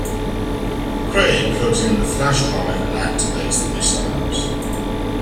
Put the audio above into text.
Cray plugs in the flash drive and activates the missiles.